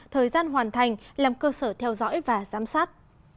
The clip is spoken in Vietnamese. thời gian hoàn thành làm cơ sở theo dõi và giám sát